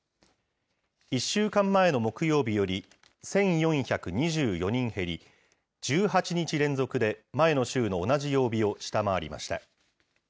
１週間前の木曜日より１４２４人減り、１８日連続で前の週の同じ曜日を下回りました。